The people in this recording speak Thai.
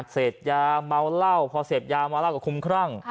เสพยาเมาเหล้าพอเสพยาเมาเหล้ากับคุ้มครั่ง